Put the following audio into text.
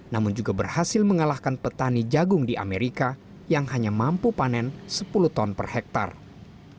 namun juga berhasil mengalahkan petani jagung di amerika yang hanya mampu panen sepuluh ton per hektare